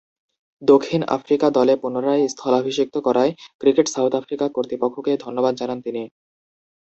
দক্ষিণ আফ্রিকা দলে পুনরায় স্থলাভিষিক্ত করায় ক্রিকেট সাউথ আফ্রিকা কর্তৃপক্ষকে ধন্যবাদ জানান তিনি।